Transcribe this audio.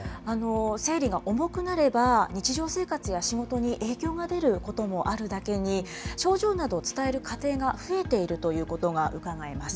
生理が重くなれば、日常生活や仕事に影響が出ることもあるだけに、症状などを伝える家庭が増えているということがうかがえます。